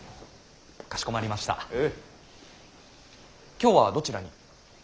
今日はどちらに？